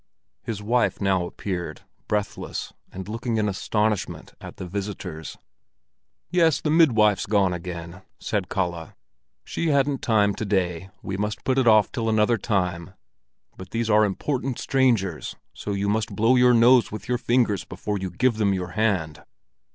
His wife now appeared, breathless, and looking in astonishment at the visitors. "Yes, the midwife's gone again," said Kalle. "She hadn't time to day; we must put it off till another time. But these are important strangers, so you must blow your nose with your fingers before you give them your hand!"